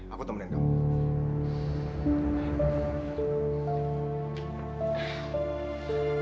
aku temenin kamu